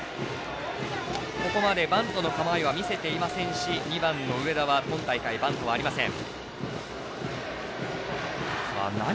ここまでバントの構えは見せていませんし２番の上田は今大会、バントはありません。